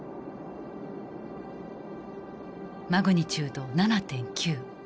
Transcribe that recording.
マグニチュード７．９。